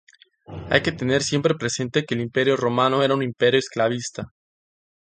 Hay que tener siempre presente que el Imperio romano era un imperio esclavista.